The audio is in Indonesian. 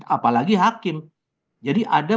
apalagi hakim jadi ada